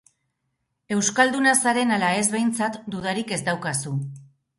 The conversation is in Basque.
Euskalduna zaren ala ez behintzat, dudarik ez daukazu.